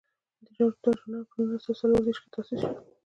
دا ژورنال په نولس سوه څلور دیرش کې تاسیس شو.